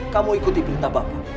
kamu ikuti berita bapak